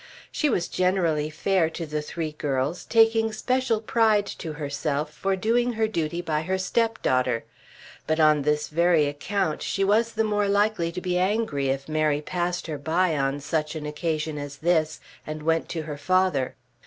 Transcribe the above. She was generally fair to the three girls, taking special pride to herself for doing her duty by her stepdaughter; but on this very account she was the more likely to be angry if Mary passed her by on such an occasion as this and went to her father.